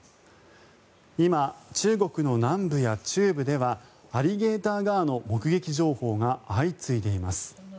今、中国の南部や中部ではアリゲーターガーの目撃情報が相次いでいます。